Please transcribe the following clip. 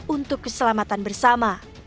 untuk keselamatan bersama